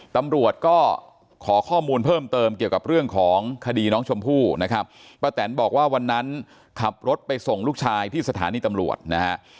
ตำรวจก็ขอข้อมูลเพิ่มเติมเกี่ยวกับเรื่องของคดีน้องชมพู่นะครับป้าแตนบอกว่าวันนั้นขับรถไปส่งลูกชายที่สถานีตำรวจนะฮะ